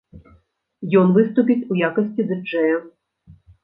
Ён выступіць у якасці ды-джэя.